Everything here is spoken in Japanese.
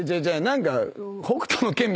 何か。